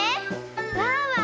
ワンワン